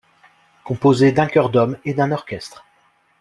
Composée d'un chœur d'hommes et d'un orchestre.